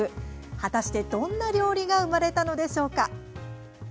果たして、どんな料理が生まれたのでしょうか。